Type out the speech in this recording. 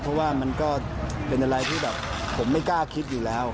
เพราะว่ามันก็เป็นอะไรที่แบบผมไม่กล้าคิดอยู่แล้ว